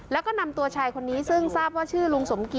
แล้วมาช่วยกันปั๊มหัวใจ